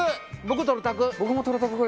僕とろたく！